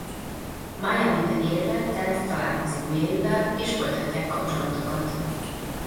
Miamibe érve Ted találkozik Maryvel és folytatják kapcsolatukat.